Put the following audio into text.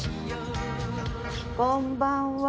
こんばんは。